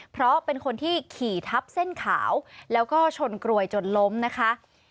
เพราะเป็นคนที่ขี่ทับเส้นขาวแล้วก็ชนกรวยจนล้มนะคะ